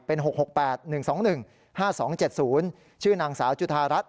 เป็น๖๖๘๑๒๑๕๒๗๐ชื่อนางสาวจุธารัฐ